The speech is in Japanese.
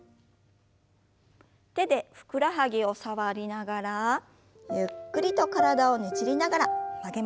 手でふくらはぎを触りながらゆっくりと体をねじりながら曲げましょう。